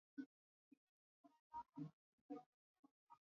ujenzi wa titanic ulianza kwenye uwanja wa meli